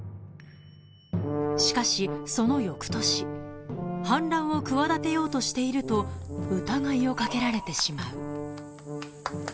［しかしその翌年反乱を企てようとしていると疑いを掛けられてしまう］